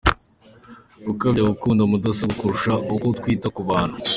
Gukabya gukunda mudasobwa kurusha uko twita ku bantu….